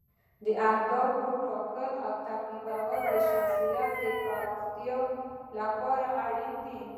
د هدفونو ټاکل او تعقیب کول د شخصیت پراختیا لپاره اړین دي.